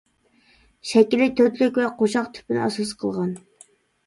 شەكلى تۆتلۈك ۋە قوشاق تىپىنى ئاساس قىلغان.